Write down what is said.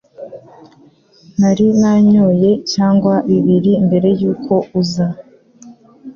Nari nanyoye cyangwa bibiri mbere yuko uza.